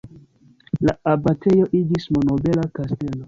La abatejo iĝis nobela kastelo.